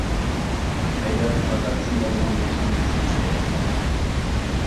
ئەگەر خاتا چۈشىنىۋالغان بولسام چۈشەنچە بېرەرسىز.